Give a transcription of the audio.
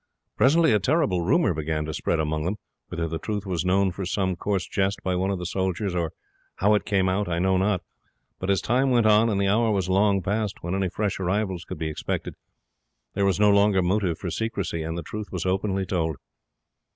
Presently a terrible rumour began to spread among them whether the truth was known from some coarse jest by one of the soldiers, or how it came out, I know not. But as time went on, and the hour was long past when any fresh arrivals could be expected, there was no longer motive for secrecy, and the truth was openly told.